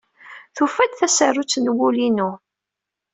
Tufa-d tasarut n wul-inu.